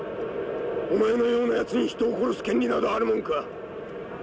お前のようなやつに人を殺す権利などあるもんか！